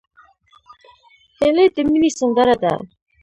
هیلۍ د مینې سندره ده